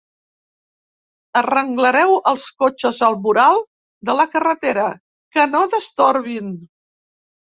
Arrenglereu els cotxes al voral de la carretera, que no destorbin.